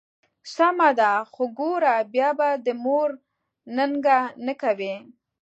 سمه ده، خو ګوره بیا به د مور ننګه نه کوې.